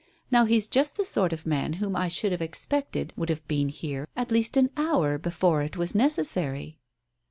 Now he's just the sort of man whom I should have expected would have been here at least an hour before it was necessary."